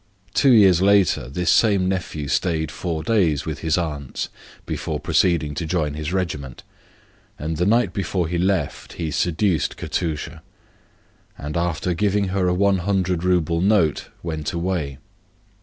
Then two years later this same nephew stayed four days with his aunts before proceeding to join his regiment, and the night before he left he betrayed Katusha, and, after giving her a 100 rouble note, went away.